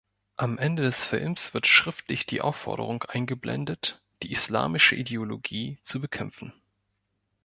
Am Ende des Films wird schriftlich die Aufforderung eingeblendet, „die islamische Ideologie“ zu bekämpfen.